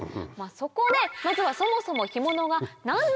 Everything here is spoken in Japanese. そこでまずはそもそも干物が何なのか？